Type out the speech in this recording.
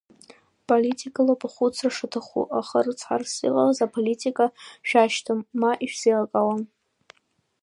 Политикалоуп ахәыцра шаҭаху, аха рыцҳарас иҟалаз, аполитика шәашьҭам, ма ишәзелкаауам.